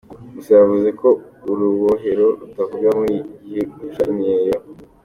Gusa yavuze ko urubohero rutavuga buri gihe guca imyeyo.